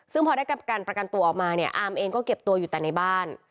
ซึ่งพอได้การประกันตัวออกมาเนี่ยอาร์มเองก็เก็บตัวอยู่แต่ในบ้าน